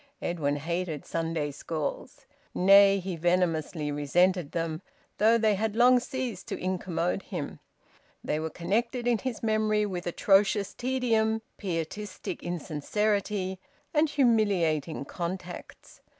Edwin hated Sunday schools. Nay, he venomously resented them, though they had long ceased to incommode him. They were connected in his memory with atrocious tedium, pietistic insincerity, and humiliating contacts.